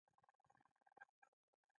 د ولس له کاروان سره باید یو ځای شو.